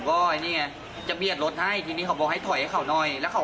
มีเปลื้อนมาเลยเหรอ